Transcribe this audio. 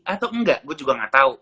atau enggak gue juga gak tahu